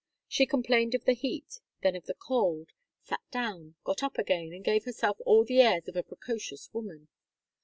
She complained of the heat, then of the cold, sat down, got up again, and gave herself all the airs of a precocious woman.